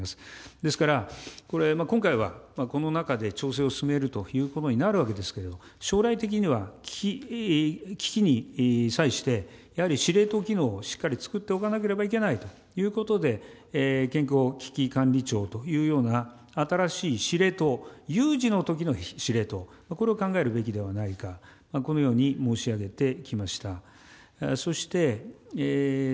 ですから、今回はこの中で調整を進めるということになるわけですけれども、将来的には、危機に際して、やはり司令塔機能をしっかり作っておかなければいけないということで、健康危機管理庁というような新しい司令塔、有事のときの司令塔、これを考えるべきではないか、このように申し上げてきました。